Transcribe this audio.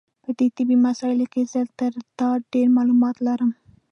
په دې طبي مسایلو کې زه تر تا ډېر معلومات لرم.